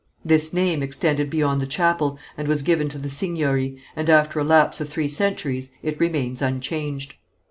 This name extended beyond the chapel, and was given to the seigniory, and after a lapse of three centuries, it remains unchanged.